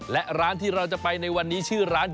และร้านที่เราจะไปในวันนี้ชื่อร้าน